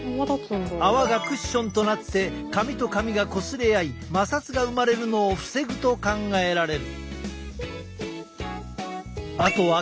泡がクッションとなって髪と髪がこすれ合い摩擦が生まれるのを防ぐと考えられる。